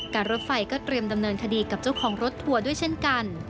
รถไฟก็เตรียมดำเนินคดีกับเจ้าของรถทัวร์ด้วยเช่นกัน